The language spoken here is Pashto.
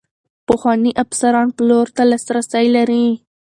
پخواني افسران پلور ته لاسرسی لري.